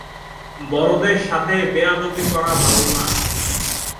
অনেকে গ্যাসের প্রভাব থাকায় অচেতন অবস্থায় মাটিতে পড়ে থাকতে দেখা গেছে।